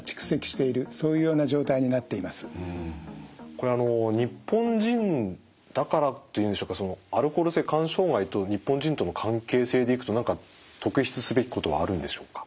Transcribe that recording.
これあの日本人だからっていうんでしょうかそのアルコール性肝障害と日本人との関係性でいくと何か特筆すべきことはあるんでしょうか？